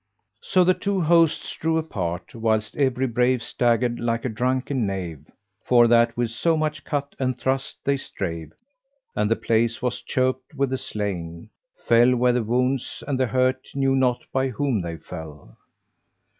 So the two hosts drew apart, whilst every brave staggered like a drunken knave, for that with so much cut and thrust they strave; and the place was choked with the slain; fell were the wounds and the hurt knew not by whom they fell.